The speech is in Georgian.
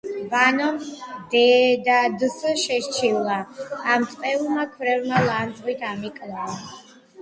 ვანომ დედადდს შესჩივლა: ამ წყეულმა ქვევრმა ლანძღვით ამიკლოო